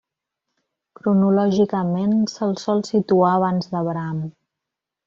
Cronològicament, se'l sol situar abans d'Abraham.